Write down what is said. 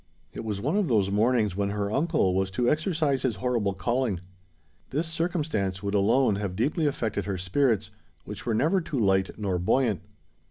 It was one of those mornings when her uncle was to exercise his horrible calling:—this circumstance would alone have deeply affected her spirits, which were never too light nor buoyant.